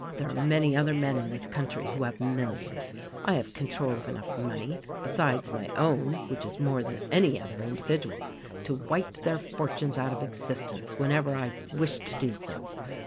"There are many other men in this country who have millions. I have control of enough money, besides my own, (which is more than any other individual's) to wipe their fortunes out of existence whenever I wish to do so.